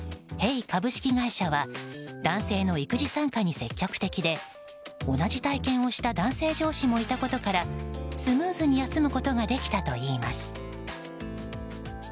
ヘイ株式会社は男性の育児参加に積極的で同じ体験をした男性上司もいたことからスムーズに休むことができたといいます。